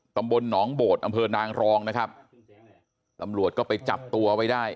ตำบลหนองโบดอำเภอนางรองนะครับตำรวจก็ไปจับตัวไว้ได้